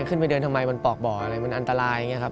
ขึ้นไปเดินทำไมมันปอกบ่ออะไรมันอันตรายอย่างนี้ครับ